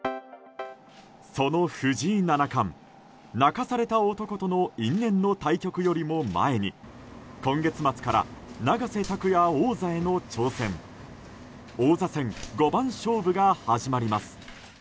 その藤井七冠、泣かされた男との因縁の対局よりも前に今月末から永瀬拓矢王座への挑戦王座戦五番勝負が始まります。